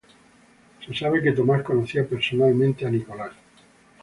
Se sabe que Tomás conocía personalmente a Nicolás.